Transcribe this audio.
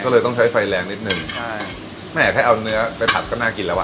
ก็เลยต้องใช้ไฟแรงนิดหนึ่งใช่แม่ถ้าเอาเนื้อไปผัดก็น่ากินแล้วอ่ะ